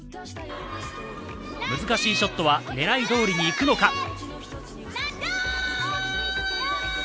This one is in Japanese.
難しいショットは狙いどおりにいくのか？